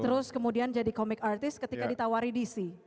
terus kemudian jadi komik artis ketika ditawari dc